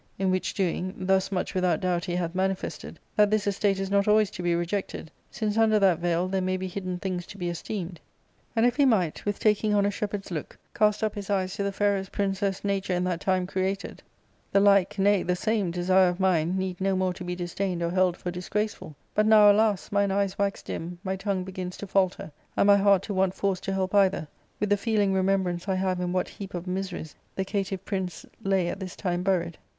In which doing, thus much without, doubt he hath manifested, that this| estate is not always to 'I / be rejected, since under that veil there may be hidden things J to be esteemed. And if he might, with taking on a shepherd's look, cast up his eyes to the fairest princess nature in that time created, the like, nay, the same, desire of mine need no more to be disdained or held for disgraceful. But now, alas ! mine eyes wax dim, my tongue begins to falter, and my heart to want force to help either, with the feeling remembrance I. have in what heap of miseries the caitiff prince lay at this time buried.